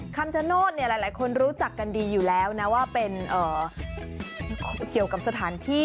คำชโนธหลายคนรู้จักกันดีอยู่แล้วนะว่าเป็นเกี่ยวกับสถานที่